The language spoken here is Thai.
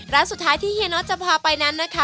ร้านสุดท้ายที่เฮียน็อตจะพาไปนั้นนะคะ